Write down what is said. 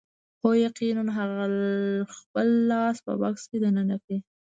هو یقیناً هغه خپل لاس په بکس کې دننه کړ